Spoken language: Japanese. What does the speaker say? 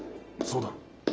そうだろ？